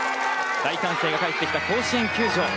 大歓声が帰ってきた甲子園球場。